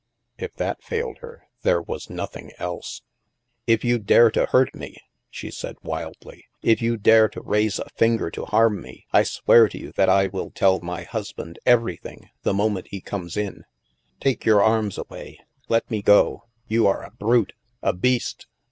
If that failed her, there was nothing else. " If you dare to hurt me," she said wildly, " if you dare to raise a finger to harm me, I swear to you that I will tell my husband everything, the mo ment he comes in. Take your arms away; let me go! You are a brute, a beast!